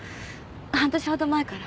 半年ほど前から。